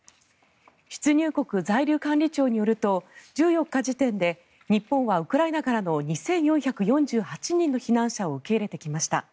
出入国在留管理庁によると１４日時点で日本はウクライナからの２４４８人の避難者を受け入れてきました。